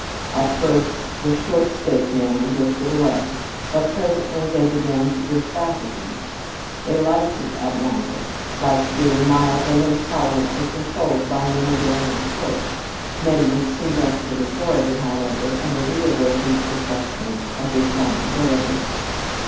At first the "short stake men" drifted away, but presently they began to drift back again. They liked it at Wander, liked being mildly and tolerantly controlled by men of their own sort, men with some vested authority, however, and a reawakened perception of responsibility.